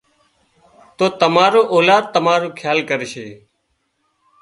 تو تماري اولاد تمارو کيال ڪرشي